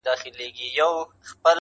چي خبر د کلي خلګ په دې کار سوه,